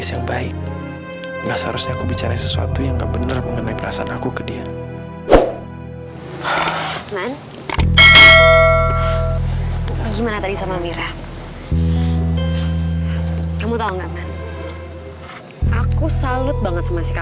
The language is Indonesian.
semua dokumen yang lo perluin sudah ada